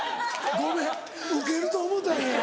ごめんウケると思うたんや。